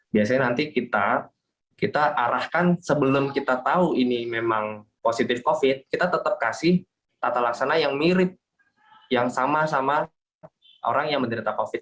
biasanya nanti kita arahkan sebelum kita tahu ini memang positif covid kita tetap kasih tata laksana yang mirip yang sama sama orang yang menderita covid